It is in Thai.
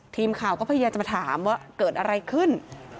ทีมข่าวก็พยายามจะมาถามว่าเกิดอะไรขึ้น